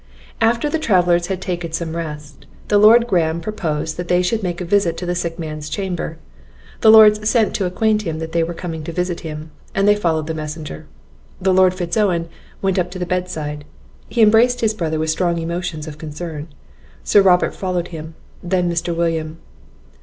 After the travellers had taken some rest, the Lord Graham proposed that they should make a visit to the sick man's chamber. The lords sent to acquaint him they were coming to visit him, and they followed the messenger. The Lord Fitz Owen went up to the bedside; he embraced his brother with strong emotions of concern. Sir Robert followed him; then Mr. William.